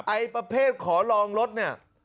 ไอ้ประเภทขอลองรถเนี่ย